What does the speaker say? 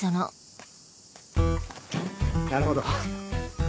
なるほど。